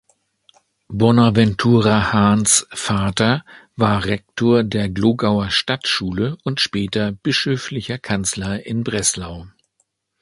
Bonaventura Hahns Vater war Rektor der Glogauer Stadtschule und später bischöflicher Kanzler in Breslau.